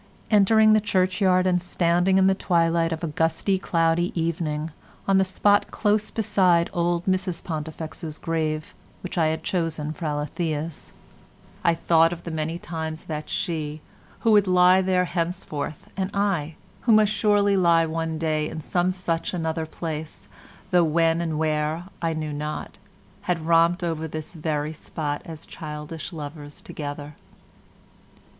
Entering the churchyard and standing in the twilight of a gusty cloudy evening on the spot close beside old Mrs Pontifex's grave which I had chosen for Alethea's, I thought of the many times that she, who would lie there henceforth, and I, who must surely lie one day in some such another place though when and where I knew not, had romped over this very spot as childish lovers together.